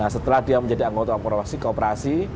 setelah dia menjadi anggota kooperasi